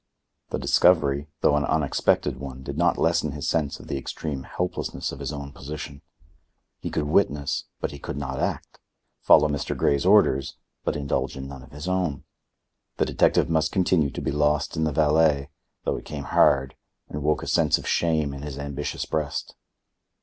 The discovery, though an unexpected one, did not lessen his sense of the extreme helplessness of his own position. He could witness, but he could not act; follow Mr. Grey's orders, but indulge in none of his own. The detective must continue to be lost in the valet, though it came hard and woke a sense of shame in his ambitious breast.